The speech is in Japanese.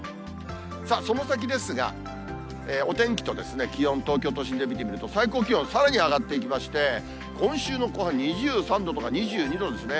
さあ、その先ですが、お天気と気温、東京都心で見てみますと、最高気温さらに上がっていきまして、今週の後半、２３度とか２２度ですね。